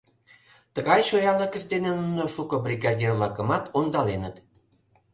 Тыгай чоялыкышт дене нуно шуко бригадир-влакымат ондаленыт.